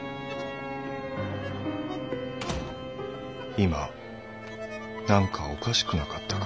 今なんかおかしくなかったか？